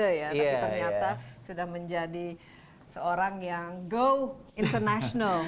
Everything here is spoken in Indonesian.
tapi ternyata sudah menjadi seorang yang go international